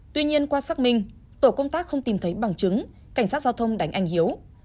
tuy nhiên qua xác minh tổ công tác không tìm thấy bằng chứng cảnh sát giao thông đánh anh hiếu